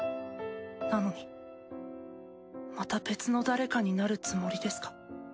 なのにまた別の誰かになるつもりですか？